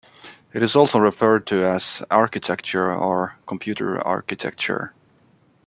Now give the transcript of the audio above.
It is also referred to as architecture or computer architecture.